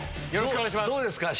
よろしくお願いします。